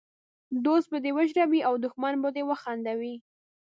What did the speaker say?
دوست به دې وژړوي او دښمن به دي وخندوي!